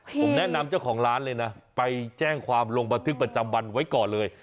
ผมแนะนำเจ้าของร้านเลยนะไปแจ้งความลงบันทึกประจำวันไว้ก่อนเลย